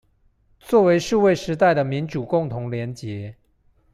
作為數位時代的民主共同連結